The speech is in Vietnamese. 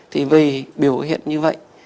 thì vì biểu hiện như vậy